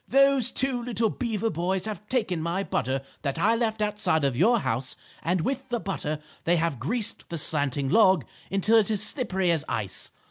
"Those two little beaver boys have taken my butter that I left outside of your house and with the butter they have greased the slanting log until it is slippery as ice.